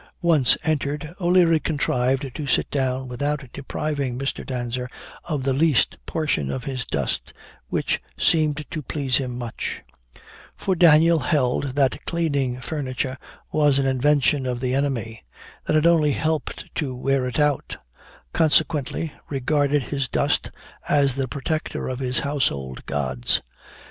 Once entered, O'Leary contrived to sit down without depriving Mr. Danser of the least portion of his dust, which, seemed to please him much; for Daniel held that cleaning furniture was an invention of the enemy; that it only helped to wear it out; consequently, regarded his dust as the protector of his household gods.